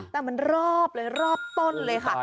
แต่มันรอบเลยรอบต้นเลยค่ะ